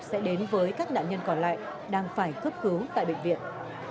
sẽ đến với các nạn nhân còn lại đang phải cấp cứu tại bệnh viện